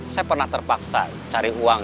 saya pernah terpaksa cari uang